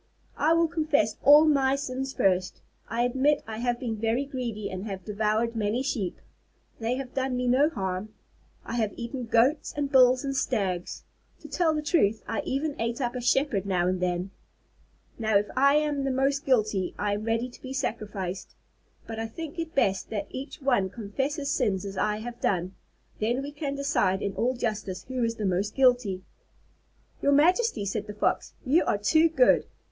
"I will confess all my sins first. I admit that I have been very greedy and have devoured many sheep. They had done me no harm. I have eaten goats and bulls and stags. To tell the truth, I even ate up a shepherd now and then. "Now, if I am the most guilty, I am ready to be sacrificed. But I think it best that each one confess his sins as I have done. Then we can decide in all justice who is the most guilty." "Your majesty," said the Fox, "you are too good.